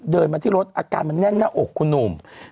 เดินมาที่รถอาการมันแน่นหน้าอกคุณหนุ่ม